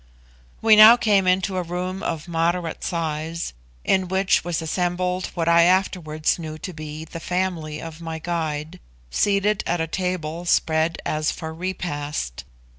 We now came into a room of moderate size, in which was assembled what I afterwards knew to be the family of my guide, seated at a table spread as for repast.